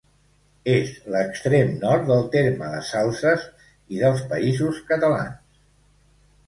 És l'extrem nord del terme de Salses i dels Països Catalans.